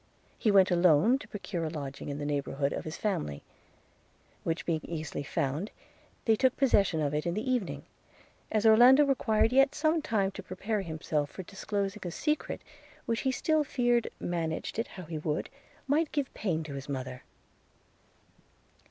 He went alone to procure a lodging in the neighbourhood of his family; which being easily found, they took possession of it in the evening – as Orlando required yet some time to prepare himself for disclosing a secret, which he still feared, manage it how he would, might give pain to his mother.